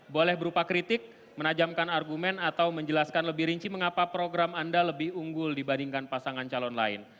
boleh berupa kritik menajamkan argumen atau menjelaskan lebih rinci mengapa program anda lebih unggul dibandingkan pasangan calon lain